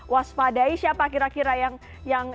waspadai siapa kira kira yang